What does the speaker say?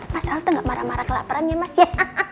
mas alf tuh gak marah marah kelaperan ya mas ya